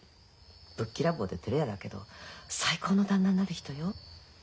ぶっきらぼうでてれ屋だけど最高の旦那になる人よ。